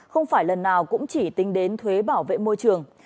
không phải lần nào cũng chỉ tính đến thuế bảo vệ môi trường